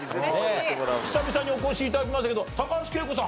久々にお越し頂きましたけど高橋惠子さん